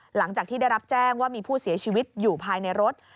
หลังจากที่ได้รับแจ้งว่ามีผู้เสียชีวิตอยู่ภายในรถ